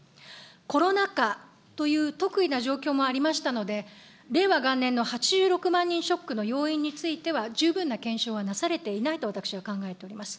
コロナ禍という特異な状況もありましたので、令和元年の８６万人ショックの要因については、十分な検証はなされていないと私は考えております。